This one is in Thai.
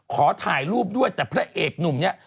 ขอถ่ายรูปด้วยแต่พระเอกหนุ่มเนี่ย